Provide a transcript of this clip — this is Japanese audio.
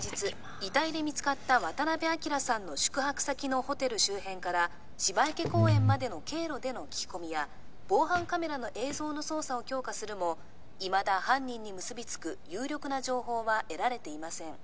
遺体で見つかった渡辺昭さんの宿泊先のホテル周辺から芝池公園までの経路での聞き込みや防犯カメラの映像の捜査を強化するもいまだ犯人に結びつく有力な情報は得られていません